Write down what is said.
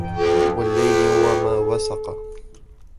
والليل وما وسق